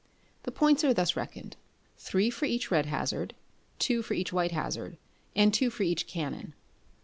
The points are thus reckoned three for each red hazard, two for each white hazard, and two for each canon.